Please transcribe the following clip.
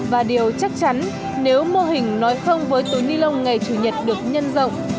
và điều chắc chắn nếu mô hình nói không với túi ni lông ngày chủ nhật được nhân rộng